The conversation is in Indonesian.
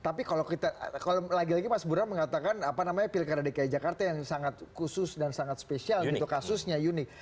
tapi kalau lagi lagi mas burhan mengatakan apa namanya pilkada dki jakarta yang sangat khusus dan sangat spesial gitu kasusnya uni